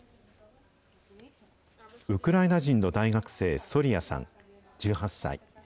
ウクライナ人の大学生、ソリヤさん１８歳。